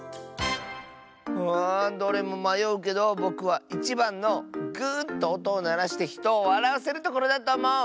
あどれもまようけどぼくは１ばんの「ぐとおとをならしてひとをわらわせるところ」だとおもう！